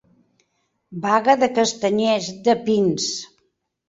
Baga de castanyers, de pins.